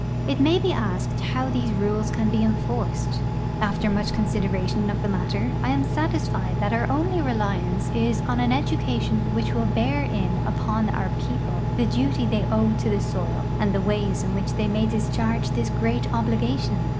It may be asked how these rules can be enforced. After much consideration of the matter, I am satisfied that our only reliance is on an education which will bear in upon our people the duty the}" owe to the soil and the ways in which they may discharge this great obligation.